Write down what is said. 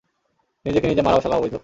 নিজেকে নিজে মারাও শালা অবৈধ।